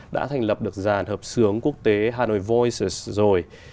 đã thành lập được giàn hợp sướng quốc tế hanoi voices rồi